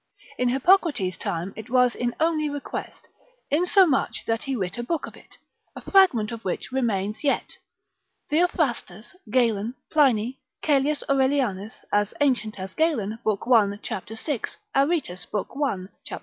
In Hippocrates's time it was in only request, insomuch that he writ a book of it, a fragment of which remains yet. Theophrastus, Galen, Pliny, Caelius Aurelianus, as ancient as Galen, lib. 1, cap. 6. Aretus lib. 1. cap.